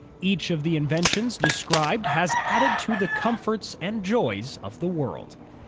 Each of the inventions described has added to the com forts and joys of the world.